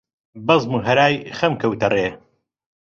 بەزم و هەرای خەم کەوتە ڕێ